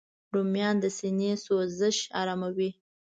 رومیان د سینې سوزش آراموي